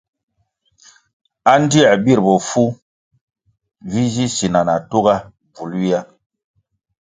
Andtier bir bofu vi zi sina na tugá bvul ywia.